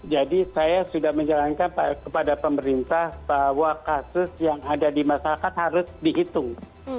jadi saya sudah menjalankan kepada pemerintah bahwa kasus yang ada dimasakkan harus dihitung